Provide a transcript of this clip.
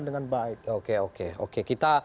dengan baik oke oke